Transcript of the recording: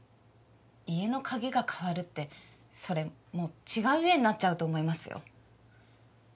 家の鍵が変わるってそれもう違う家になっちゃうと思いますよ。